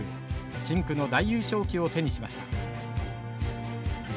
深紅の大優勝旗を手にしました。